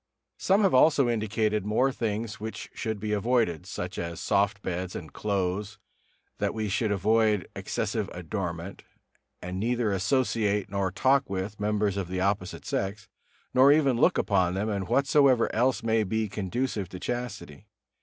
Some have also indicated more things which should be avoided, such as soft beds and clothes, that we should avoid excessive adornment, and neither associate nor talk with members of the opposite sex, nor even look upon them, and whatsoever else may be conducive to chastity.